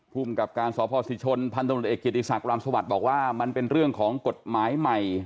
ภูมิกับการสพศิชนพันธุรกิจเอกกิติศักดิรามสวัสดิ์บอกว่ามันเป็นเรื่องของกฎหมายใหม่